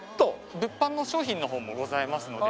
物販の商品の方もございますので。